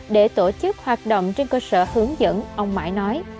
để tổ chức hoạt động trên cơ sở hướng dẫn ông mãi nói